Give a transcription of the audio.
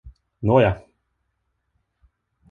Nåja!